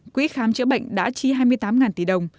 quỹ khám chữa bệnh đã chi hai mươi tám tỷ đồng